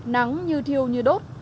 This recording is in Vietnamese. nắng như thiêu như đốt